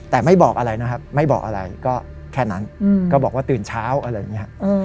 แต่ไม่บอกอะไรนะครับไม่บอกอะไรก็แค่นั้นก็บอกว่าตื่นเช้าอะไรอย่างนี้